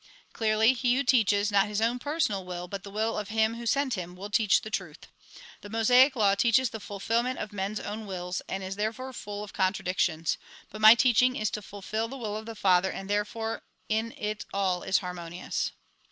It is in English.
Clearly, he who teaches, not his own personal will, but the will of Him who sent him, will teach the truth. The Mosaic law teaches the fulfilment of men's own wills, and is therefore full of contradictions ; but my teaching is to fulfil the will of the Father, and therefore in it all is harmonious."